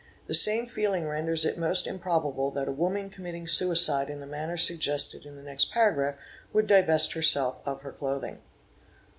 The same feeling renders it most improbable that a woman committing suicide in the manner suggested in the next paragraph would divest her self of her clothing.